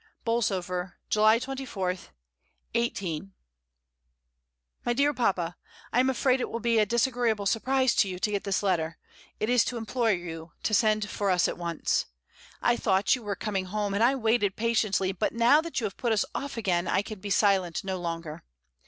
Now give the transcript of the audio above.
Bolsover, July 24, 18 —. "My dear Papa, — I am afraid it will be a dis agreeable surprise to you to get this letter. It is to implore you to send for us at once. I thought you were coming home, and I waited patiently, but now that you have put us off again, I can be silent no longer.